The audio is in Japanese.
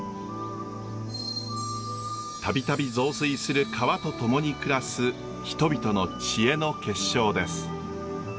度々増水する川と共に暮らす人々の知恵の結晶です。